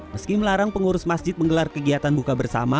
meski melarang pengurus masjid menggelar kegiatan buka bersama